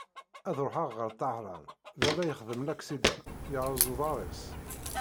Ad ruḥeɣ ɣer Tahran, baba yexdem laksida, yerreẓ uḍar-is.